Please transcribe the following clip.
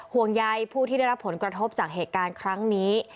ห่วงใยผู้ที่ได้รับผลกระทบจากเหตุการณ์ครั้งนี้